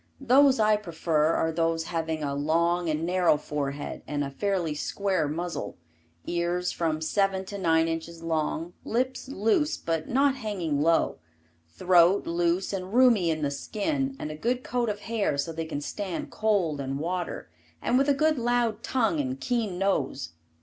Those I prefer are those having a long and narrow forehead and a fairly square muzzle, ears from 7 to 9 inches long, lips loose but not hanging low, throat loose and roomy in the skin and a good coat of hair so they can stand cold and water, and with a good loud tongue and keen nose.